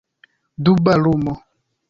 Duba lumo.